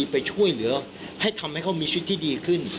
ไปช่วยเหลือให้ทำให้เขามีชีวิตที่ดีขึ้น